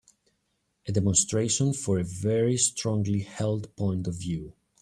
A demonstration for a very strongly held point of view.